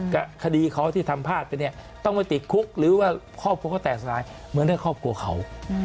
กับคดีเขาที่ถ่ำพาตไปต้องไปติดคุกหรือว่าครอบครัวก็แตกสนับเหมือนให้ครอบครัวเขา